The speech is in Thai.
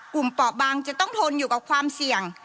เปาะบางจะต้องทนอยู่กับความเสี่ยง